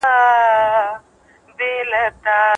دا هغه پروسه ده چی اوږده موده کي اغېزه ښندي.